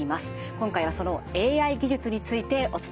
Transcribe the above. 今回はそのＡＩ技術についてお伝えします。